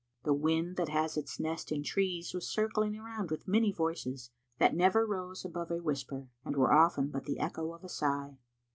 The wind that has its nest in trees was circling around with many voices, that never rose above a whisper, and were often but the echo of a sigh.